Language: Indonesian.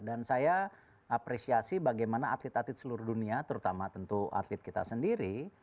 saya apresiasi bagaimana atlet atlet seluruh dunia terutama tentu atlet kita sendiri